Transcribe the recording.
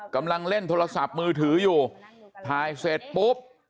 กำลังเล่นโทรศัพท์มือถืออยู่ถ่ายเสร็จปุ๊บ